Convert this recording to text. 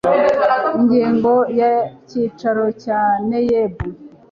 ingingo ya icyicaro cya naeb